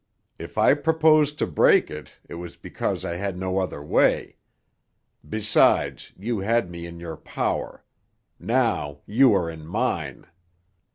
If I proposed to break it, it was because I had no other way. Besides, you had me in your power. Now you are in mine.